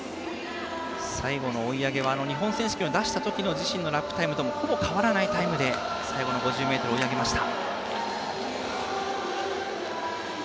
最後の追い上げはあの日本選手権で出したときの自身のラップタイムともほぼ変わらないタイムで最後の５０ｍ、追い上げました。